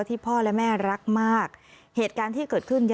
พ่อและแม่รักมากเหตุการณ์ที่เกิดขึ้นเยอะ